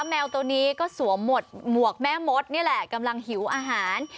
แมวตัวนี้ก็สวมหมวกแม่มดนี่แหละกำลังหิวอาหาร